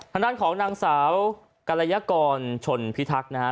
ทางด้านของนางสาวกรยากรชนพิทักษ์นะฮะ